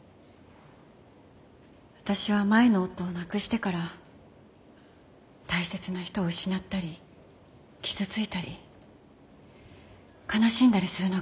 私は前の夫を亡くしてから大切な人を失ったり傷ついたり悲しんだりするのが嫌でした。